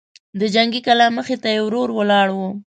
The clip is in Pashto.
د جنګي کلا مخې ته يې ورور ولاړ و.